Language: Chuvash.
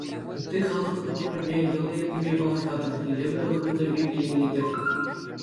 Ытти халӑх культурипе, йӑли-йӗркипе паллашатӑр, илемлӗ вырӑнсемпе киленетӗр.